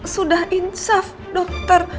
sudah insaf dokter